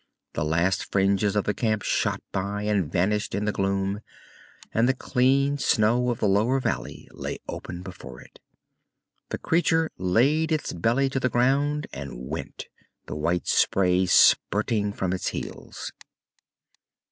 The last fringes of the camp shot by and vanished in the gloom, and the clean snow of the lower valley lay open before it. The creature laid its belly to the ground and went, the white spray spurting from its heels.